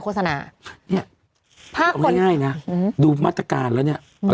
โฆษณาเนี้ยถ้าเอาง่ายน่ะอืมดูมาตรการแล้วเนี้ยเอาจริง